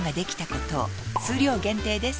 数量限定です